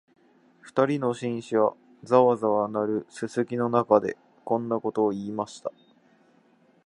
二人の紳士は、ざわざわ鳴るすすきの中で、こんなことを言いました